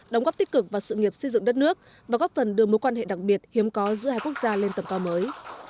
đóng góp tích cực vào sự nghiệp xây dựng đất nước và góp phần đưa mối quan hệ đặc biệt hiếm có giữa hai quốc gia lên tầm to mới